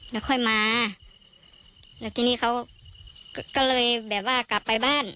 แล้วค่อยมาแล้วทีนี้เขาก็เลยแบบว่ากลับไปบ้าน